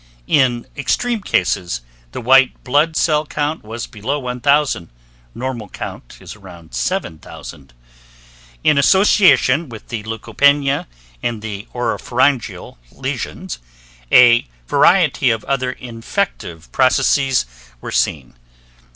In extreme cases the white blood cell count was below 1,000 (normal count is around 7,000). In association with the leucopenia and the oropharyngeal lesions, a variety of other infective processes were seen.